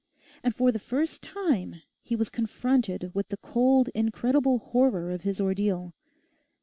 And for the first time he was confronted with the cold incredible horror of his ordeal.